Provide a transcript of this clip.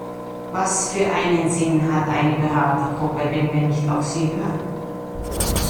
Was für einen Sinn hat eine Beratergruppe, wenn wir nicht auf sie hören?